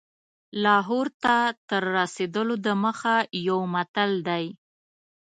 لاهور ته تر رسېدلو دمخه یو متل دی.